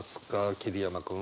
桐山君。